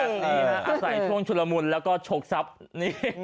นี่ฮะอาศัยช่วงชุรมุนแล้วก็โฉกซับนี่